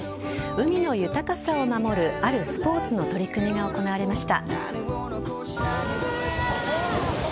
海の豊かさを守るあるスポーツの取り組みが行われました。